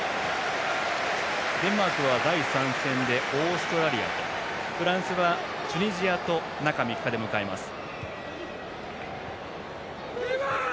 デンマークは第３戦でオーストラリアとフランスはチュニジアと中３日で試合を迎えます。